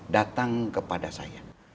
datang kepada saya